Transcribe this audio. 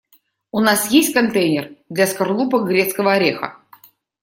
У нас есть контейнер для скорлупок грецкого ореха?